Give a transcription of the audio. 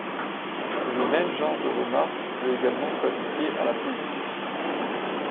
Le même genre de remarques peut également s’appliquer à la politique.